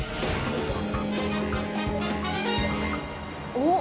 おっ！